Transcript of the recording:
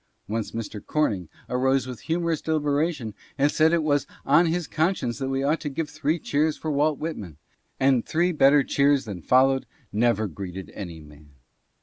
Once Mr. Corning arose with humorous deliberation and said it was on his conscience that we ought to give three cheers for Walt Whitman ; and three better cheers than followed never greeted any man.